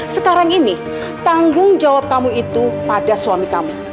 sekarang ini tanggung jawab kamu itu pada suami kamu